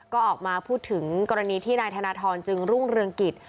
ก็ออกมาพูดถึงกรณีที่นายธนทรจึงรุ่งเรืองกิจ